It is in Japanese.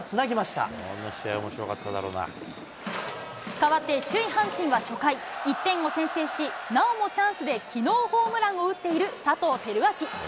ただ変わって、首位阪神は初回、１点を先制し、なおもチャンスで、きのうホームランを打っている佐藤輝明。